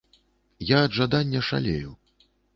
Я ад жадання шалею.